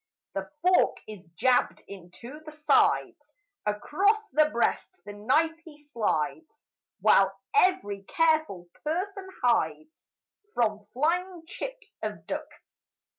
The fork is jabbed into the sides Across the breast the knife he slides While every careful person hides From flying chips of duck.